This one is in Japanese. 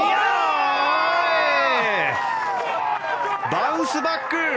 バウンスバック！